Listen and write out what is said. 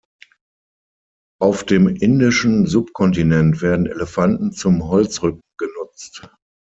Auf dem indischen Subkontinent werden Elefanten zum Holzrücken genutzt.